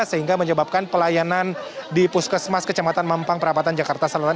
sehingga menyebabkan pelayanan di puskesmas kecamatan mampang perapatan jakarta selatan